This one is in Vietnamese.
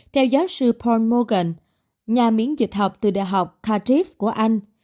theo giáo sư paul morgan nhà miễn dịch học từ đại học cardiff của anh